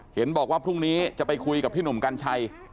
เห็นบอกว่าพรุ่งนี้จะไปคุยกับพี่หนุ่มกัญชัย